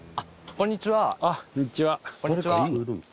こんにちは。